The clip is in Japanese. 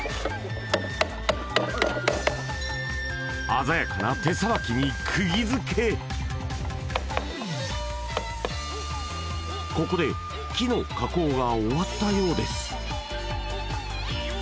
鮮やかな手さばきにここで木の加工が終わったようです